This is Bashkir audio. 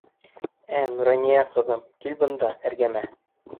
Ә Нурания ҡыҙым, кил бында, эргәмә.